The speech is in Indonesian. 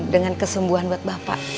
dengan kesembuhan buat bapak